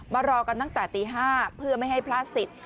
มารอกันตั้งแต่ตี๕เพื่อไม่ให้พลาดสิทธิ